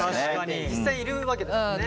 実際いるわけですもんね。